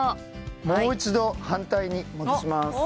もう一度反対に戻します。